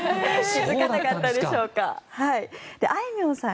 気付かなかったですか。